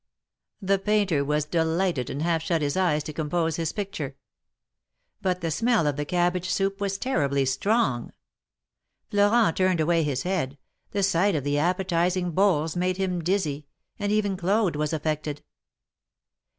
The painter was delighted, and half shut his eyes to compose his picture. But the smell of the cabbage soup was terribly strong. Florent turned away his head — the sight of the appetizing bowls made him dizzy, and even Claude was affected.